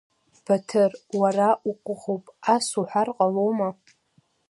Баҭыр, уара уҟәыӷоуп, ас уцәажәар ҟалома?